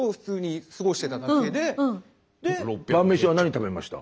晩飯は何食べました？